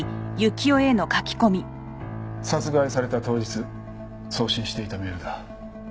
殺害された当日送信していたメールだ。